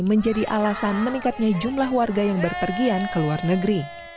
menjadi alasan meningkatnya jumlah warga yang berpergian ke luar negeri